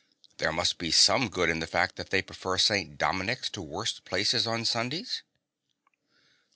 There must be some good in the fact that they prefer St. Dominic's to worse places on Sundays.